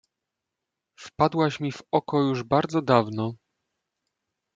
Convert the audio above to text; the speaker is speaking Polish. Wpadłaś mi w oko już bardzo dawno.